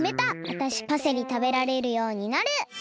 わたしパセリたべられるようになる！